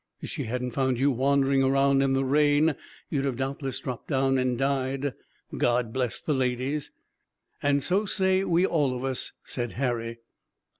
If she hadn't found you wandering around in the rain you'd have doubtless dropped down and died. God bless the ladies." "And so say we all of us," said Harry.